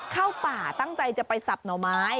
เข้าป่าตั้งใจจะไปสับหน่อไม้